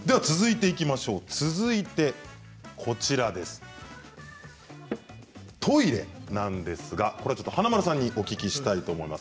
続いて、トイレなんですが華丸さんにお聞きしたいと思います。